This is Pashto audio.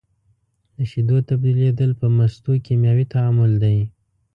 د شیدو تبدیلیدل په مستو کیمیاوي تعامل دی.